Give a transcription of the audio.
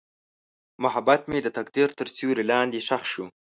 محبت مې د تقدیر تر سیوري لاندې ښخ شو.